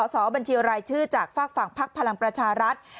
สบันทิวรายชื่อจากฝากฝั่งภักดิ์พลังประชารัฐ